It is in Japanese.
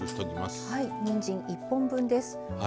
にんじん１本分です。